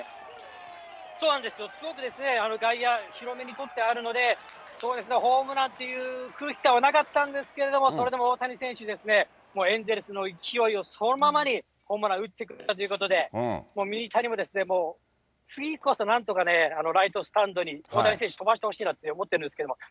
そうなんですよ、すごく外野、広めにとってあるので、そうですね、ホームランという空気感はなかったんですけれども、それでも大谷選手ですね、もうエンゼルスの勢いをそのままにホームランを打ってきたということで、もうミニタニももう次こそなんとかね、ライトスタンドに大谷選手、飛ばしてほしいなと思ってるんですけれども。